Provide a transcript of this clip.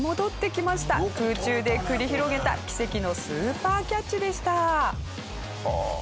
空中で繰り広げた奇跡のスーパーキャッチでした。